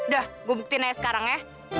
dah gue buktiin ya sekarang ya